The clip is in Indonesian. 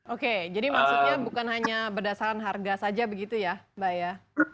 oke jadi maksudnya bukan hanya berdasarkan harga saja begitu ya mbak ya